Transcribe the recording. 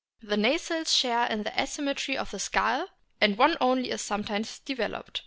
The nasals share in the asymmetry of the skull, and one only is sometimes developed.